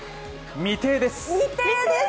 未定です。